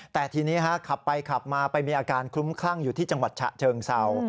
แต่ทีนี้ขับไปขับมาไปมีอาการคลุ้มคลั่งอยู่ที่จังหวัดฉะเชิงเศร้า